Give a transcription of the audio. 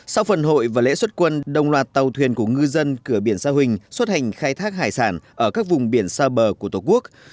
sau phần hội và lễ xuất quân đồng loạt tàu thuyền của ngư dân cửa biển sa huỳnh xuất hành khai thác hải sản ở các vùng biển xa bờ của tổ quốc